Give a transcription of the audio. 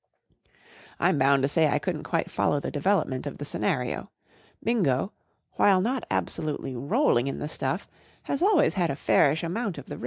I'm bound to say I couldn't quite follow the development of the scenario. Bingo, w'hile not absolutely rolling in the stuff, has always had a fairish amount of the ready.